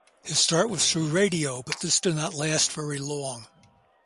His start was through radio but this did not last very long.